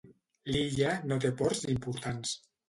L'illa no té ports importants.